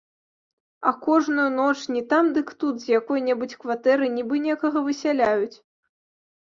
А кожную ноч, не там дык тут, з якой-небудзь кватэры нібы некага высяляюць.